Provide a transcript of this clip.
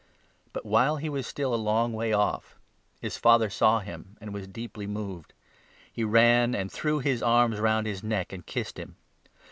But, while he was still a long way off, his father saw him and was deeply moved ; he ran and threw his arms round his neck and kissed him.